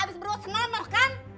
abis berbuat senonoh kan